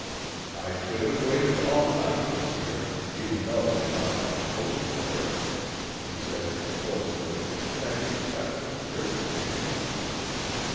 "I should have waited all night, monsieur, even though I had lost my post for it," he said explosively, and I reached out and gripped his hand.